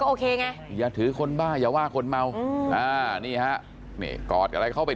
ก็โอเคไงอย่าถือคนบ้าอย่าว่าคนเมานี่ฮะกอดกับอะไรเขาไป